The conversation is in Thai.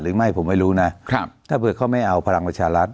หรือไม่ผมไม่รู้นะถ้าเผื่อเขาไม่เอาพลังประชารัฐ